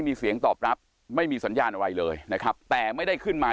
มีเสียงตอบรับไม่มีสัญญาณอะไรเลยนะครับแต่ไม่ได้ขึ้นมา